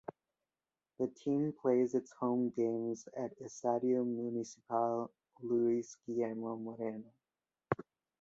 The team plays its home games at Estadio Municipal Luis Guillermo Moreno.